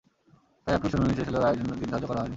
তাই আপিল শুনানি শেষ হলেও রায়ের জন্য দিন ধার্য করা হয়নি।